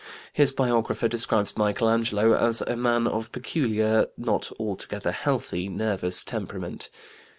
His biographer describes Michelangelo as "a man of peculiar, not altogether healthy, nervous temperament."